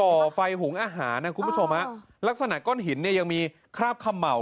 ่อไฟหุงอาหารนะคุณผู้ชมฮะลักษณะก้อนหินเนี่ยยังมีคราบเขม่า